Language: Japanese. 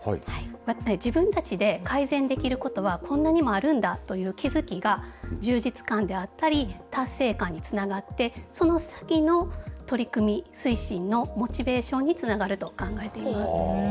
自分たちで改善できることはこんなにもあるんだという気付きが充実感であったり達成感につながってその先の取り組み推進のモチベーションにつながると考えています。